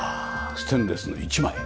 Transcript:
ステンレスの１枚？